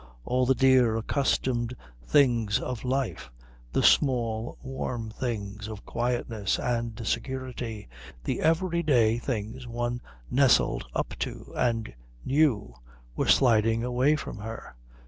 All the dear accustomed things of life, the small warm things of quietness and security, the everyday things one nestled up to and knew, were sliding away from her.